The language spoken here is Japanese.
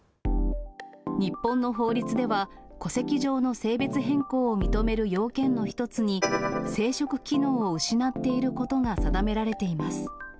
日本の法律では、戸籍上の性別変更を認める要件の１つに、生殖機能を失っていることが定められています。